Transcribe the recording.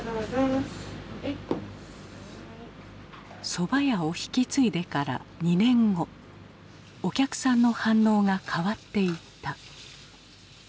そば屋を引き継いでから２年後お客さんの反応が変わっていった。